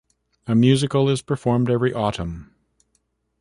A musical is performed every autumn.